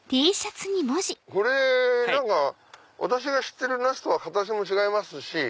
これ私が知ってるナスとは形も違いますし。